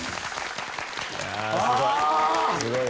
すごい。